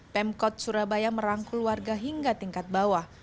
pemkot surabaya merangkul warga hingga tingkat bawah